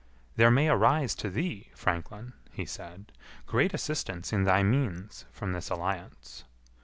"There may arise to thee, franklin," he said, "great assistance in thy means from this alliance."